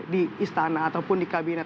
di istana ataupun di kabinet